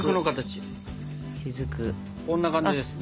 こんな感じですね？